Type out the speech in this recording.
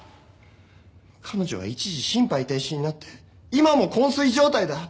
彼女は一時心肺停止になって今も昏睡状態だ！